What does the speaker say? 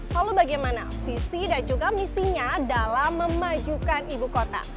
lalu bagaimana visi dan juga misinya dalam memajukan ibu kota